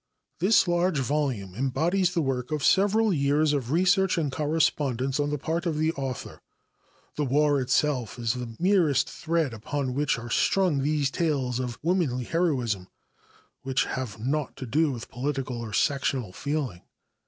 This large volume embodies the work of several years of research and correspondence on the part of the author. The war itself is the merest thread upon which are strung these tales of womanly heroism which have naught to do with political or sectional feeling.